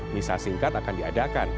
misal singkat akan diadakan